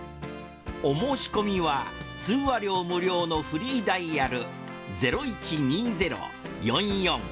お申し込みは通話料無料のフリーダイヤル。